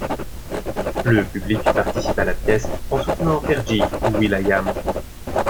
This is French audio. Le public participe à la pièce en soutenant Fergie ou will.i.am.